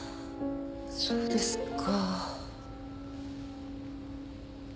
そうですか。